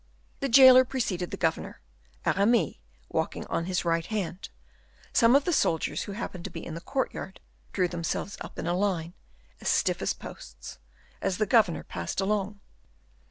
The jailer preceded the governor, Aramis walking on his right hand; some of the soldiers who happened to be in the courtyard drew themselves up in a line, as stiff as posts, as the governor passed along.